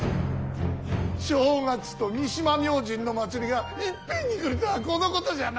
正月と三島明神の祭りがいっぺんに来るとはこのことじゃな。